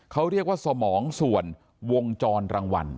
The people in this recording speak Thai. เขาเรียกว่าสมองส่วนวงจรรางวัล